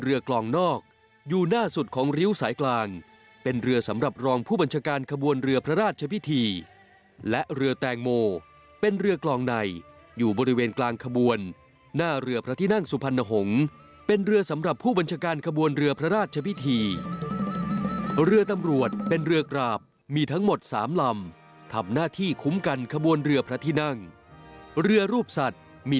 เรืออารักษาพระมหากษัตริย์มีชื่อเรืออารักษาพระมหากษัตริย์มีชื่อเรืออารักษาพระมหากษัตริย์มีชื่อเรืออารักษาพระมหากษัตริย์มีชื่อเรืออารักษาพระมหากษัตริย์มีชื่อเรืออารักษาพระมหากษัตริย์มีชื่อเรืออารักษาพระมหากษัตริย์มีชื่อเรืออารักษาพระมหากษัตริย์มี